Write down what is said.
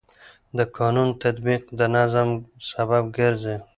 د قانون تطبیق د نظم سبب ګرځي.